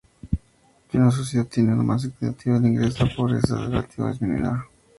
Si una sociedad tiene una más equitativa del ingreso, la pobreza relativa disminuirá.